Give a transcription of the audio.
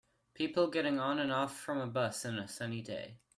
People getting on and off from a bus in a sunny day.